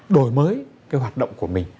đổi mới cái hoạt động của mình